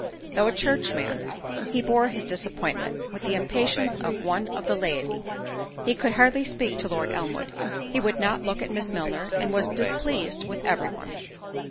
Though a churchman, he bore his disappointment with the impatience of one of the laity: he could hardly speak to Lord Elmwood; he would not look at Miss Milner, and was displeased with every one.